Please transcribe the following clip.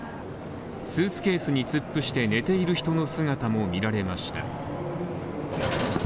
スーツケースに突っ伏して寝ている人の姿も見られました。